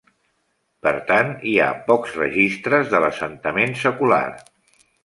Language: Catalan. Per tant, hi ha pocs registres de l'assentament secular.